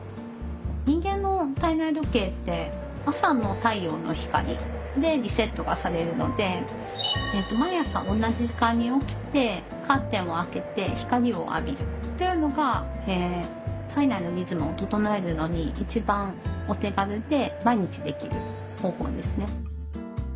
人間の体内時計って朝の太陽の光でリセットがされるので毎朝同じ時間に起きてカーテンを開けて光を浴びるというのが体内のリズムを整えるのに一番お手軽で毎日できる方法ですね。